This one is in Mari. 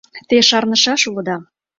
Те шарнышаш улыда.